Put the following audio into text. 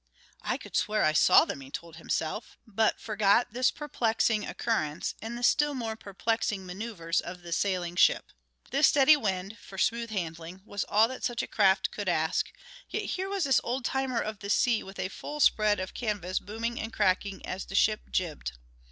"I could swear I saw them!" he told himself, but forgot this perplexing occurrence in the still more perplexing maneuvers of the sailing ship. This steady wind for smooth handling was all that such a craft could ask, yet here was this old timer of the sea with a full spread of canvas booming and cracking as the ship jibed.